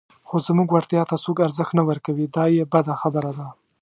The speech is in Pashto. خو زموږ وړتیا ته څوک ارزښت نه ورکوي، دا یې بده خبره ده.